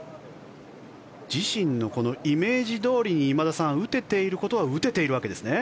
自身のイメージどおりに今田さん、打てていることは打てているわけですね。